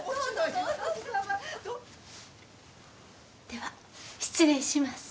では失礼します。